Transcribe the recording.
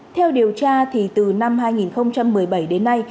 theo điều tra từ năm hai nghìn một mươi bảy đến nay